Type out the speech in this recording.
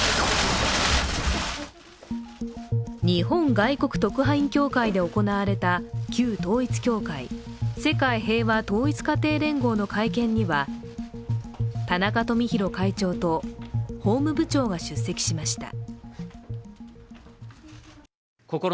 日本外国派遣特派員協会で行われた旧統一教会、世界平和統一家庭連合の会見には田中富広会長と、法務部長が出席しました。